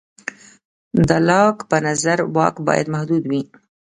د لاک په نظر واک باید محدود وي.